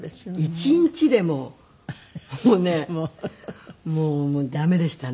１日でももうねもう駄目でしたね。